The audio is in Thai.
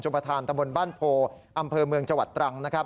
จบประธานตะบนบ้านโพอำเภอเมืองจวัดตรัง